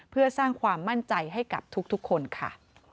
เพื่อสร้างความมั่นใจให้กับทุกคนค่ะ